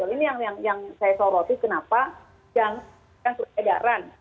ini yang saya sorotin kenapa yang surat edaran